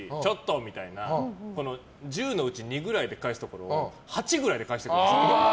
みたいな感じで１０のうち２ぐらいで返すところを８くらいで返してくるんです。